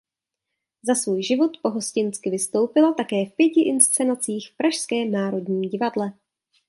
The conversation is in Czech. Za svůj život pohostinsky vystoupila také v pěti inscenacích v pražském Národním divadle.